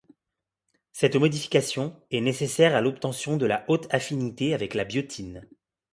Cette modification est nécessaire à l'obtention de la haute affinité avec la biotine.